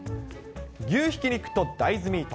牛ひき肉と大豆ミート。